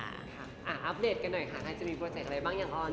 อัปเดตกันหน่อยค่ะใครจะมีโปรเจคอะไรบ้างอย่างออน